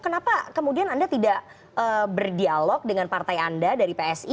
kenapa kemudian anda tidak berdialog dengan partai anda dari psi